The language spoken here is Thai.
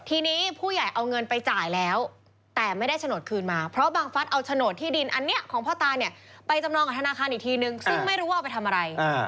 ทีนี้ผู้ใหญ่เอาเงินไปจ่ายแล้วแต่ไม่ได้โฉนดคืนมาเพราะบังฟัสเอาโฉนดที่ดินอันนี้ของพ่อตาเนี่ยไปจำนองกับธนาคารอีกทีนึงซึ่งไม่รู้ว่าเอาไปทำอะไร